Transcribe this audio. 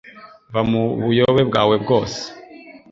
va mu buyobe bwawe bwose